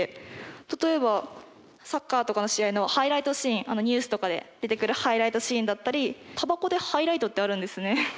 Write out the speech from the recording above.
例えばサッカーとかの試合のハイライトシーンニュースとかで出てくるハイライトシーンだったりタバコでハイライトってあるんですね。